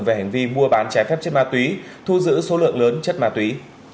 về hành vi mua bán trái phép chất ma túy thu giữ số lượng lớn chất ma túy